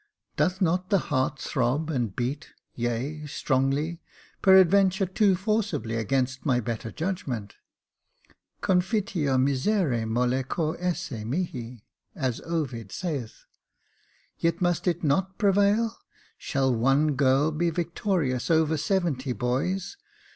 Doth not the heart throb and beat — yea, strongly — peradventure too forcibly against my better judgment ?' Confiteor miser e molle cor esse mih'i^ as Ovid saith. Yet must it not prevail ? Shall one girl be victorious over seventy boys